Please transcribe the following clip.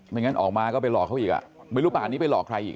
ไม่งั้นออกมาก็ไปหลอกเขาอีกอ่ะ